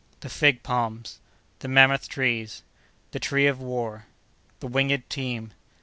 —The Fig Palms.—The Mammoth Trees.—The Tree of War.—The Winged Team.